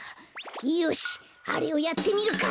よしあれをやってみるか！